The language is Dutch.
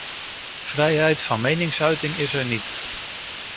Vrijheid van meningsuiting is er niet.